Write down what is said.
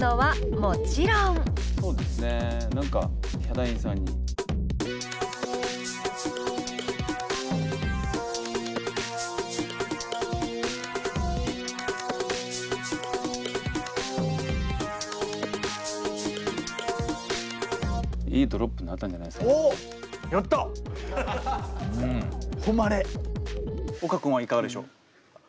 岡君はいかがでしょう？